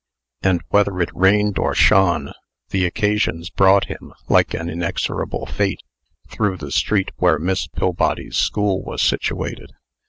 And whether it rained or shone, the occasions brought him, like an inexorable fate, through the street where Miss Pillbody's school was situated.